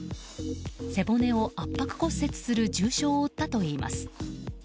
背骨を圧迫骨折する重傷を負ったといいます。